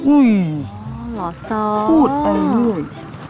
อุ้ยหรอสอบพูดเอาเลย